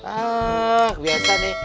ah biasa nih